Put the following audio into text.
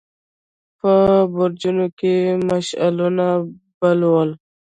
په برجونو کې يې مشعلونه بل ول.